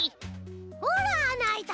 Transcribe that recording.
ほらあなあいた！